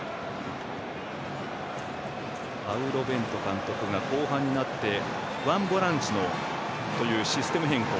パウロ・ベント監督が後半になってワンボランチというシステム変更。